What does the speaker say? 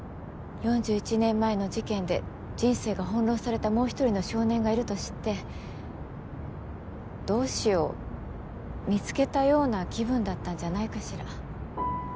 ４１年前の事件で人生が翻弄されたもう一人の少年がいると知って同志を見つけたような気分だったんじゃないかしら